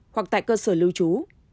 hoặc tại cơ sở lưu trú